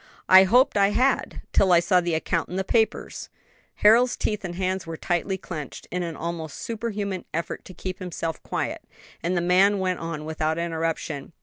I hoped I had, till I saw the account in the papers." Harold's teeth and hands were tightly clenched, in an almost superhuman effort to keep himself quiet; and the man went on without interruption.